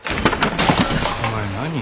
お前何？